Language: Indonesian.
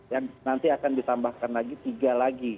yang nanti akan ditambahkan lagi tiga lagi